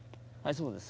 そうです。